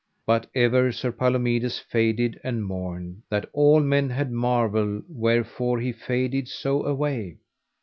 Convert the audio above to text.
But ever Sir Palomides faded and mourned, that all men had marvel wherefore he faded so away.